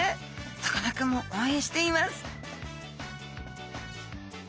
さかなクンもおうえんしています